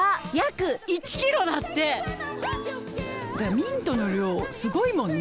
ミントの量すごいもんね。